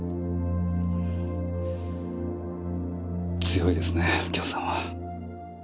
強いですね右京さんは。